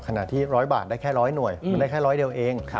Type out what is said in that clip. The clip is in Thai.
ที่๑๐๐บาทได้แค่๑๐๐หน่วยมันได้แค่ร้อยเดียวเอง